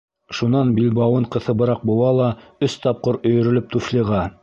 Шунан билбауын ҡыҫыбыраҡ быуа ла, өс тапҡыр өйөрөлөп, туфлиға: